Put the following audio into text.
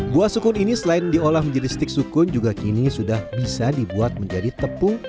buah sukun ini selain diolah menjadi stik sukun juga kini sudah bisa dibuat menjadi tepung